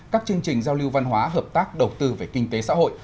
các chương trình giao lưu văn hóa hợp tác đầu tư về kinh tế xã hội